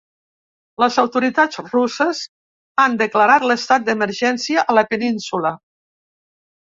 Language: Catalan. Les autoritats russes han declarat l’estat d’emergència a la península.